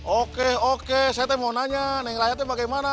oke oke saya mau nanya neng raya bagaimana